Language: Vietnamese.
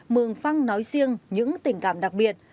mường phăng nói riêng những tình cảm đặc biệt